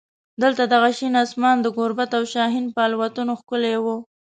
دلته دغه شین اسمان د ګوربت او شاهین په الوتنو ښکلی و.